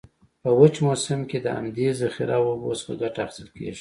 په وچ موسم کې د همدي ذخیره اوبو څخه کټه اخیستل کیږي.